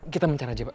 kita mencari aja pak